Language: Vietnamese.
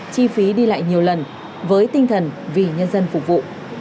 chi phí đi lại nhiều lần với tinh thần vì nhân dân phục vụ